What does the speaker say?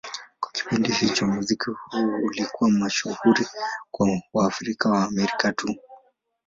Kwa kipindi hicho, muziki huu ulikuwa mashuhuri kwa Waafrika-Waamerika tu.